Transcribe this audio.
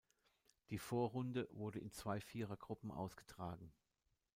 Die Vorrunde wurde in zwei Vierergruppen ausgetragen.